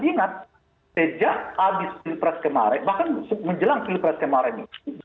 diingat sejak habis pilpres kemarin bahkan menjelang pilpres kemarin